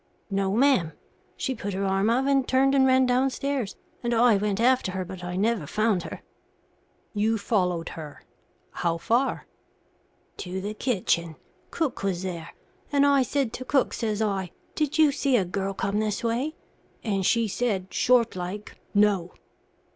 "No, ma'am; she put her arm up and turned and ran downstairs, and I went after her, but I never found her." "You followed her how far?" "To the kitchen. Cook was there. And I said to cook, says I: 'Did you see a girl come this way?' And she said, short like: 'No.'"